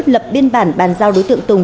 lập biên bản bàn giao đối tượng tùng